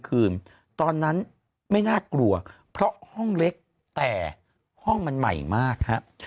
คืนตอนนั้นไม่น่ากลัวเพราะห้องเล็กแต่ห้องมันใหม่มากฮะ